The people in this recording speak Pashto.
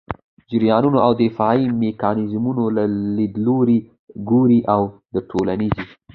جریانونو او دفاعي میکانیزمونو له لیدلوري ګوري او د ټولنيزې